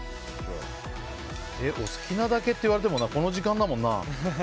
お好きなだけって言われてもなこの時間だもんな。